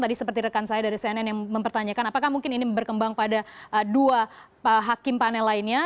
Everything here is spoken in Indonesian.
tadi seperti rekan saya dari cnn yang mempertanyakan apakah mungkin ini berkembang pada dua hakim panel lainnya